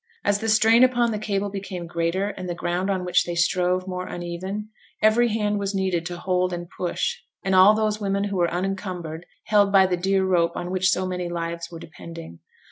As the strain upon the cable became greater, and the ground on which they strove more uneven, every hand was needed to hold and push, and all those women who were unencumbered held by the dear rope on which so many lives were depending.